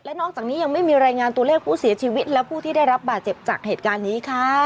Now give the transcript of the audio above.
นอกจากนี้ยังไม่มีรายงานตัวเลขผู้เสียชีวิตและผู้ที่ได้รับบาดเจ็บจากเหตุการณ์นี้ค่ะ